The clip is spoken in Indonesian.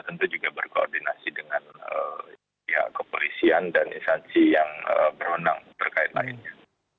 tentu juga berkoordinasi dengan pihak kepolisian dan instansi yang berwenang terkait lainnya